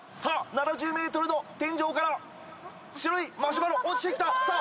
７０ｍの天井から白いマシュマロ落ちてきたさあ